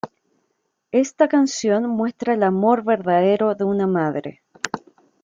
Esta canción muestra el amor verdadero de una madre.